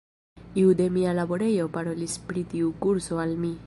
Iu de mia laborejo parolis pri tiu kurso al mi.